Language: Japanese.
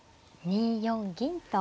２四銀と。